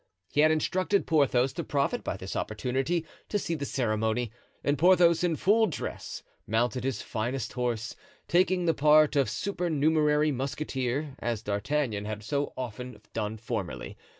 He had instructed Porthos to profit by this opportunity to see the ceremony; and Porthos, in full dress, mounted his finest horse, taking the part of supernumerary musketeer, as D'Artagnan had so often done formerly.